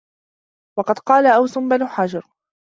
وَقَدْ قَالَ أَوْسُ بْنُ حَجَرٍ